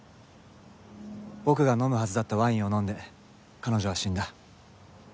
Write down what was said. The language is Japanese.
僕が飲むはずだったワインを飲んで彼女は死んだ。